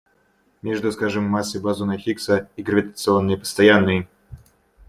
Между, скажем, массой бозона Хиггса и гравитационной постоянной.